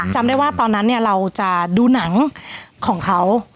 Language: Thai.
จำได้ว่าตอนนั้นเนี่ยเราจะดูหนังของเขา